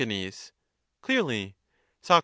Clearly. Soc.